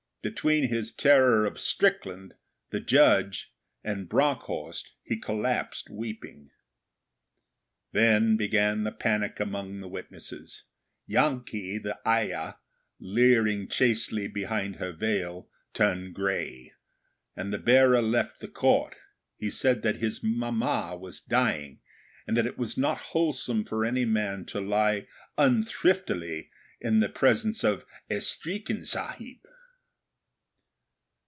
Between his terror of Strickland, the Judge, and Bronckhorst he collapsed weeping. Then began the panic among the witnesses. Janki, the ayah, leering chastely behind her veil, turned grey, and the bearer left the Court. He said that his Mamma was dying, and that it was not wholesome for any man to lie unthriftily in the presence of 'Estreekin Sahib'.